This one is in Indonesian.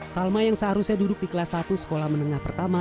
salma yang seharusnya duduk di kelas satu sekolah menengah pertama